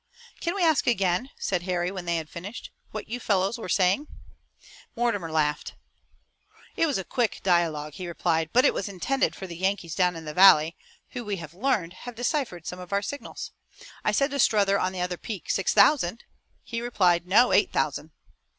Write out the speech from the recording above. "Can we ask again," said Harry, when they had finished, "what you fellows were saying?" Mortimer laughed. "It was a quick dialogue," he replied, "but it was intended for the Yankees down in the valley, who, we learn, have deciphered some of our signals. I said to Strother on the other peak: 'Six thousand?' He replied: 'No, eight thousand!'